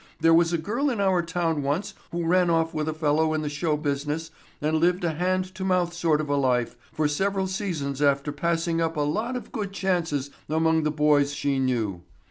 There was a girl in our town once who ran off with a fellow in the show business and lived a hand to mouth sort of a life for several seasons after passing up a lot of good chances among the boys she knew.